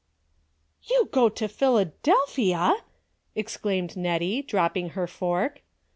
" You go to Philadelphia! " exclaimed Net tie dropping her fork.